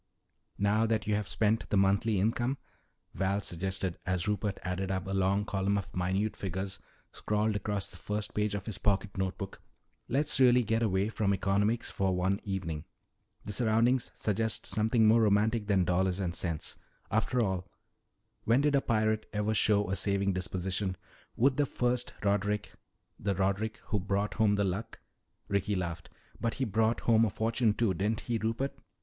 "Now that you have spent the monthly income," Val suggested as Rupert added up a long column of minute figures scrawled across the first page of his pocket note book, "let's really get away from economics for one evening. The surroundings suggest something more romantic than dollars and cents. After all, when did a pirate ever show a saving disposition? Would the first Roderick " "The Roderick who brought home the Luck?" Ricky laughed. "But he brought home a fortune, too, didn't he, Rupert?"